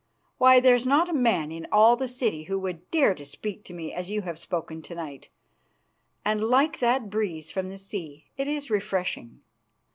Why, there's not a man in all the city who would dare to speak to me as you have spoken to night, and like that breeze from the sea, it is refreshing.